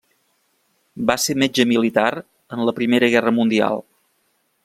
Va ser metge militar en la Primera Guerra Mundial.